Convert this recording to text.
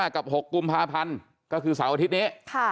กับ๖กุมภาพันธ์ก็คือเสาร์อาทิตย์นี้